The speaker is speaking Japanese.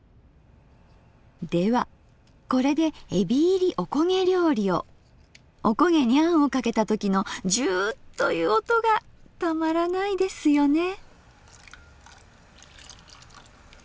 ではこれでおこげにあんをかけた時のジュウという音がたまらないですよね。